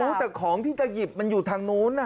ก็รู้แต่ของที่จะหยิบมันอยู่ทางนู้นอ่ะ